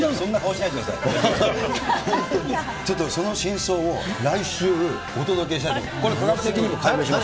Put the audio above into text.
ちょっとその真相を来週お届けしたいと思います。